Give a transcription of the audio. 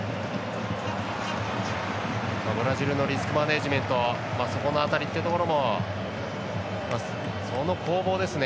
ブラジルのリスクマネージメントはそこの辺りというところもその攻防ですね。